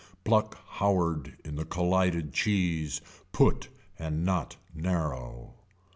Pluck howard in the collided cheese put and not narrow.